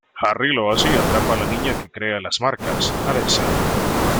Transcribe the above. Harry lo hace y atrapa a la niña que crea las marcas, Alessa.